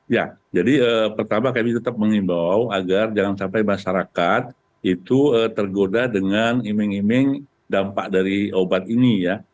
ya jadi pertama kami tetap mengimbau agar jangan sampai masyarakat itu tergoda dengan iming iming dampak dari obat ini ya